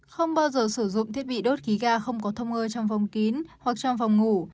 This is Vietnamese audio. không bao giờ sử dụng thiết bị đốt khí ga không có thông ơi trong vòng kín hoặc trong phòng ngủ